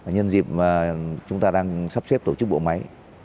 nhân dịp mà chúng ta đang sắp xếp tổ chức bộ máy